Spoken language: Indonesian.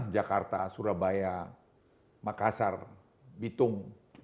jakarta surabaya makassar bitung